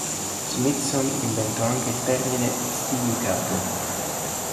Smithson inventò anche il termine silicato.